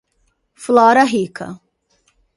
Flora Rica